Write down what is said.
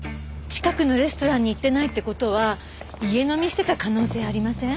近くのレストランに行ってないって事は家飲みしてた可能性ありません？